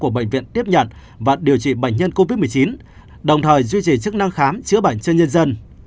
bệnh viện tiếp nhận và điều trị bệnh nhân covid một mươi chín đồng thời duy trì chức năng khám chữa bệnh cho nhân dân